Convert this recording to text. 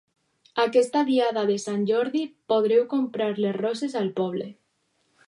Aquesta diada de Sant Jordi, podreu comprar les roses al poble.